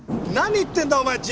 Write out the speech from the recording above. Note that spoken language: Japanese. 何言ってんだお前！